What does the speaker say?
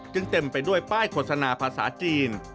เต็มไปด้วยป้ายโฆษณาภาษาจีน